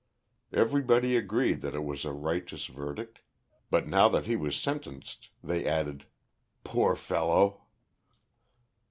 Everybody agreed that it was a righteous verdict, but now that he was sentenced they added, "Poor fellow!"